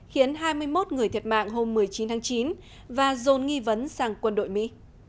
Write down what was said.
khiến hai mươi một người thiệt mạng hôm một mươi chín tháng chín và rôn nghi vấn sang quân đội mỹ